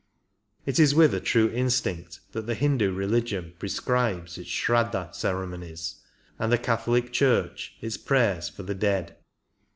It is with a true instinct that the Hindu religion prescribes its Shraddha ceremonies and the Catholic Church its prayers for the dead.